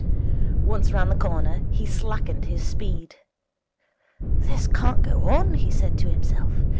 Once round the corner he slackened his speed. 'This can't go on,' he said to himself.